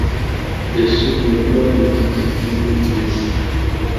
Yasubiyemo nyina ibyo yumvise